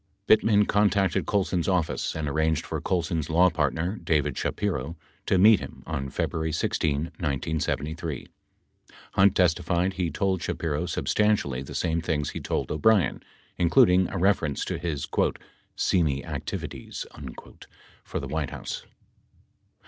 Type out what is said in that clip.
15 Bittman contacted Colson's office and arranged for Colson's law partner, David Shapiro, to meet him on February 16, 1973. Hunt testified lie told Shapiro substantially the same things he told O'Brien, including a reference to his "seamy" activities" for the White House.